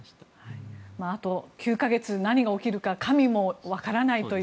あと、９か月何が起きるのか神も分からないと。